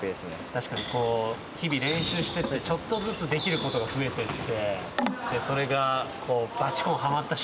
確かに日々練習しててちょっとずつできることが増えてってでそれがねえ